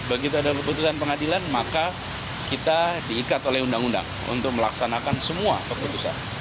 begitu ada keputusan pengadilan maka kita diikat oleh undang undang untuk melaksanakan semua keputusan